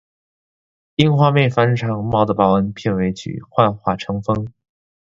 樱花妹翻唱《猫的报恩》片尾曲《幻化成风》